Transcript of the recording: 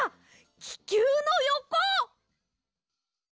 ききゅうのよこ！